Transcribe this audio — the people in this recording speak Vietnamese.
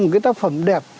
một cái tác phẩm đẹp